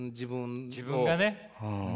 自分がね。